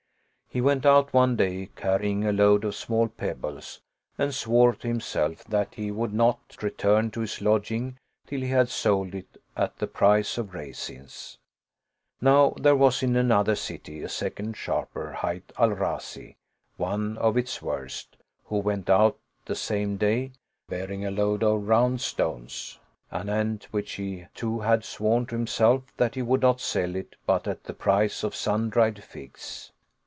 He went out one day, carrying a load of small pebbles, and swore to himself that he would not return to his lodging till he had sold it at the price of raisins. Now there was in another city a second sharper, hight Al Razi one of its worst, who went out the same day, bearing a load of round stones, anent which he too had sworn to himself that he would not sell it but at the price of sun dried figs.